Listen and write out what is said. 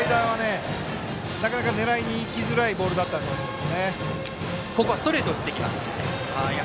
ちょっとスライダーはなかなか、狙いにいきづらいボールだったと思います。